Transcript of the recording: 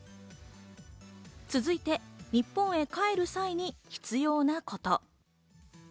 続いて、日本へ帰る際に必要なこと。